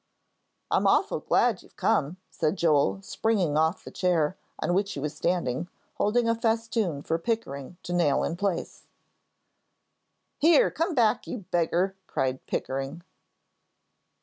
"I'm awful glad you've come," said Joel, springing off the chair on which he was standing, holding a festoon for Pickering to nail in place. "Here, come back, you beggar," cried Pickering.